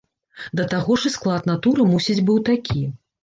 Да таго ж і склад натуры мусіць быў такі.